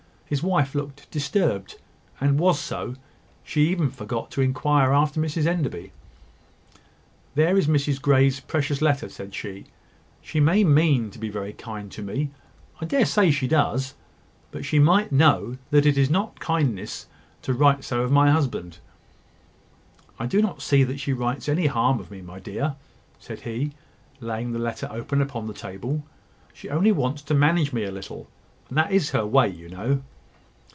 His wife looked disturbed; and was so; she even forgot to inquire after Mrs Enderby. "There is Mrs Grey's precious letter!" said she. "She may mean to be very kind to me: I dare say she does: but she might know that it is not kindness to write so of my husband." "I do not see that she writes any harm of me, my dear," said he, laying the letter open upon the table. "She only wants to manage me a little: and that is her way, you know."